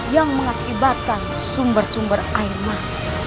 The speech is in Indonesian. yang mengakibatkan sumber sumber airman